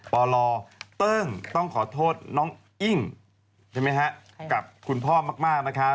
ปลอต้องขอโทษน้องอิ่งกับคุณพ่อมากนะคะ